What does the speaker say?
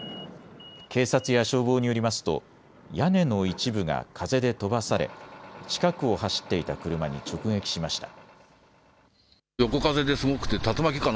警察や消防によりますと屋根の一部が風で飛ばされ近くを走っていた車に直撃しました。